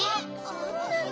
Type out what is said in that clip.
そうなの？